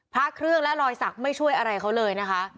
พระเครื่องและรอยสักไม่ช่วยอะไรเขาเลยนะคะ